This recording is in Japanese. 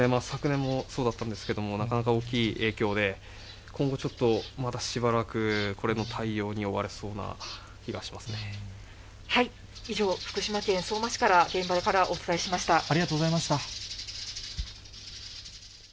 昨年もそうだったんですけれども、なかなか大きい影響で、今後ちょっとまだしばらく、これの対応に追われそうな気がし以上、福島県相馬市から、現場からお伝えしました。